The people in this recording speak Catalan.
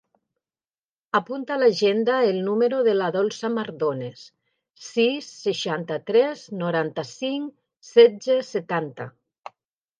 Apunta a l'agenda el número de la Dolça Mardones: sis, seixanta-tres, noranta-cinc, setze, setanta.